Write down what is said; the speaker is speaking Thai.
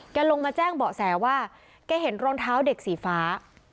ลงมาแจ้งเบาะแสว่าแกเห็นรองเท้าเด็กสีฟ้า